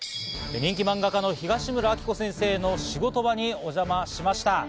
人気漫画家の東村アキコ先生の仕事場にお邪魔しました。